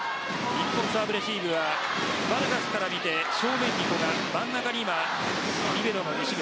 サーブレシーブはバルガスから見て正面に古賀真ん中にリベロの西村